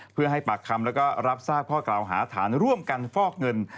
เพื่อให้ปากคำแล้วก็รับทราบข้อกล่าวหาฐานร่วมกันฟอกเงิน